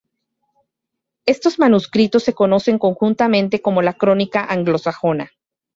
Estos manuscritos se conocen conjuntamente como la Crónica Anglosajona.